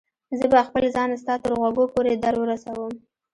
زه به خپل ځان ستا تر غوږو پورې در ورسوم.